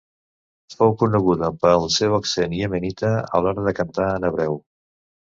Fou coneguda pel seu accent iemenita a l'hora de cantar en hebreu.